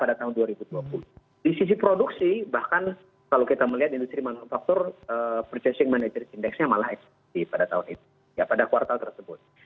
di sisi produksi bahkan kalau kita melihat industri manufaktur purchasing managers indexnya malah eksplosi pada tahun ini ya pada kuartal tersebut